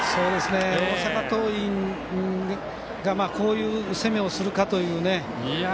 大阪桐蔭がこういう攻めをするかというね。